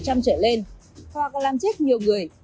hoặc làm chết nhiều người